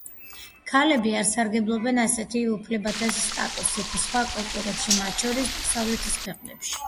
ქალები არ სარგებლობდნენ ასეთი უფლებათა სტატუსით სხვა კულტურებში, მათ შორის დასავლეთის ქვეყნებში.